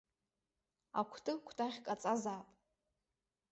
Акәты кәтаӷьк аҵазаап.